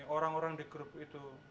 orang orang di grup itu